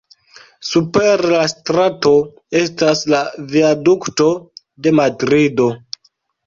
Super la strato estas la Viadukto de Madrido.